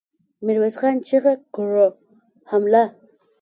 ميرويس خان چيغه کړه! حمله!